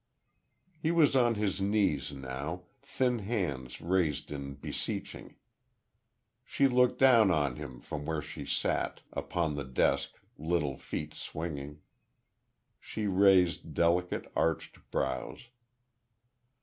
He was on his knees now, thin hands raised in beseeching. She looked down on him from where she sat, upon the desk, little feet swinging. She raised delicate, arched brows.